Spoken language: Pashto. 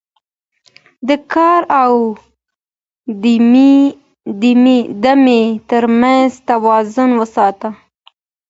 د کار او دمې ترمنځ توازن وساته